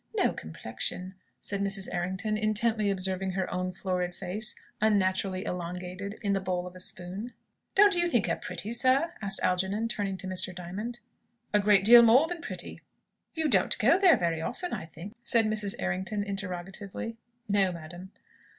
No complexion," said Mrs. Errington, intently observing her own florid face, unnaturally elongated, in the bowl of a spoon. "Don't you think her pretty, sir?" asked Algernon, turning to Mr. Diamond. "A great deal more than pretty." "You don't go there very often, I think?" said Mrs. Errington interrogatively. "No, madam."